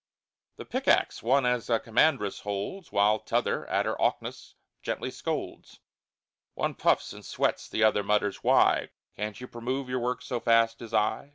The pick axe one as a commandress holds, While t'other at her awk'ness gently scolds. One puffs and sweats, the other mutters why Can't you promove your work so fast as I?